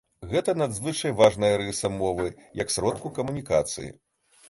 Гэта надзвычай важная рыса мовы як сродку камунікацыі.